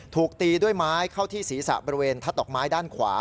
ถูกตีด้วยไม้เข้าที่ศีรษะบริเวณทัดดอกไม้ด้านขวา